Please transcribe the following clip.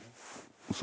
嘘？